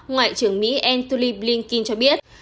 ngoại trưởng mỹ anthony blinken cho biết